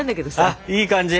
あいい感じ！